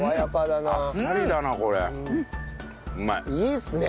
いいですね！